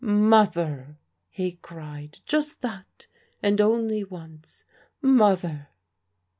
'Mother!' he cried: just that, and only once 'Mother!'"